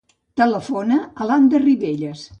Telefona a l'Ander Ribelles.